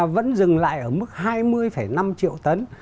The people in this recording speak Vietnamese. vẫn dừng lại ở mức hai mươi năm triệu tấn